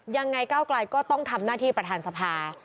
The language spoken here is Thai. ก้าวกลายก็ต้องทำหน้าที่ประธานสภา